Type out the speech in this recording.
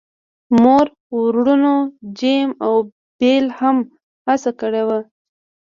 مور وروڼو جیم او بیل هم هڅه کړې وه